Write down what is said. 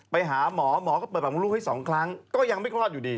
ไปหาหมอหมอก็เปิดปากมดลูกให้๒ครั้งก็ยังไม่คลอดอยู่ดี